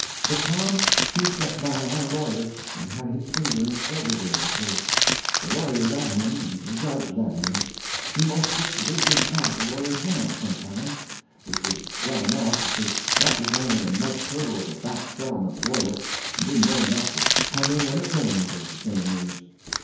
But Tom he set by our lawyer, and had his finger in everywheres, of course. The lawyer let him, and the judge let him. He 'most took the business out of the lawyer's hands sometimes; which was well enough, because that was only a mud turtle of a back settlement lawyer and didn't know enough to come in when it rains, as the saying is.